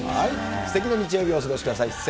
すてきな日曜日をお過ごしください。